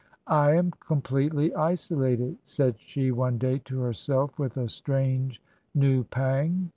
" I am completely isolated," said she one day to her self with a strange new pang.